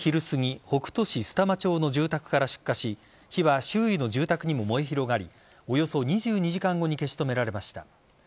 須玉町の住宅から出火し火は周囲の住宅にも燃え広がりおよそ２２時間後に消し止められました。